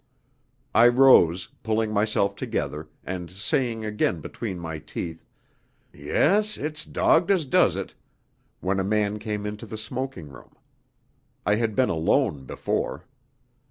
I rose, pulling myself together, and saying again between my teeth, "Yes, it's dogged as does it," when a man came into the smoking room. I had been alone before.